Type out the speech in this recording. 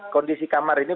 kondisi kamar ini